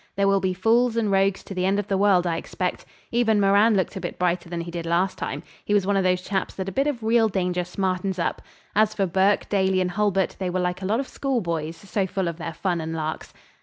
There will be fools and rogues to the end of the world, I expect. Even Moran looked a bit brighter than he did last time. He was one of those chaps that a bit of real danger smartens up. As for Burke, Daly, and Hulbert, they were like a lot of schoolboys, so full of their fun and larks.